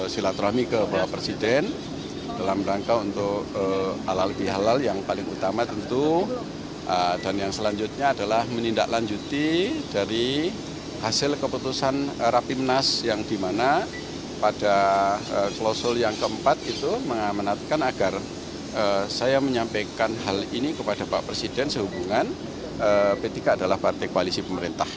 silatur rahmi ke bapak presiden dalam rangka untuk halal bihalal yang paling utama tentu dan yang selanjutnya adalah menindaklanjuti dari hasil keputusan rapimnas yang dimana pada klosul yang keempat itu menatikan agar saya menyampaikan hal ini kepada bapak presiden sehubungan p tiga adalah partai koalisi pemerintah